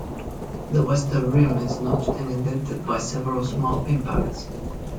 The western rim is notched and indented by several small impacts.